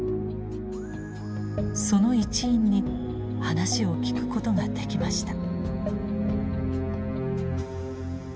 その一員に話を聞くことができました。